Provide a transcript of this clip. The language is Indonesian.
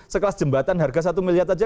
sekelas jembatan harga satu miliar saja